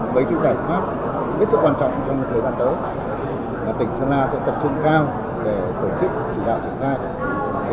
với những giải pháp rất quan trọng trong thời gian tới tỉnh sơn la sẽ tập trung cao để tổ chức chỉ đạo triển khai